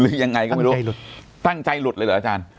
ยังไงก็ไม่รู้ตั้งใจหลุดเลยเหรออาจารย์